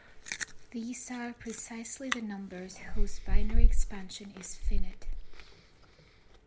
These are precisely the numbers whose binary expansion is finite.